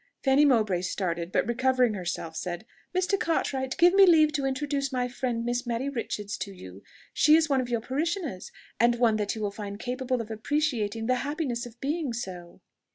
Fanny Mowbray started, but recovering herself, said, "Mr. Cartwright, give me leave to introduce my friend Miss Mary Richards to you. She is one of your parishioners, and one that you will find capable of appreciating the happiness of being so."